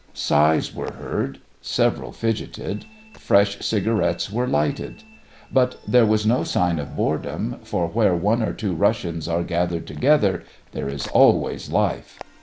Sighs were heard; several fidgeted; fresh cigarettes were lighted. But there was no sign of boredom, for where one or two Russians are gathered together there is always life.